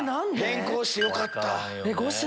変更してよかった。